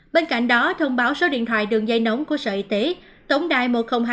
bên cạnh đó thông báo số điện thoại đường dây nóng của sở y tế tổng đài một nghìn hai mươi hai